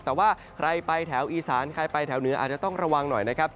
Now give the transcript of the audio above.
แต่ว่าใครไปแถวอีสานใครไปแถวเหนืออาจจะต้องระวังหน่อยนะครับ